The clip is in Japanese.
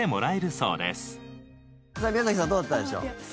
宮崎さんどうだったでしょう？